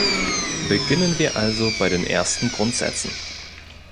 Beginnen wir also bei den ersten Grundsätzen.